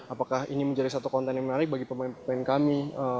apakah ini menjadi satu konten yang menarik bagi pemain pemain kami